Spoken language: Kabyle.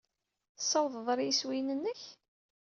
Tessawḍed ɣer yiswiyen-nnek?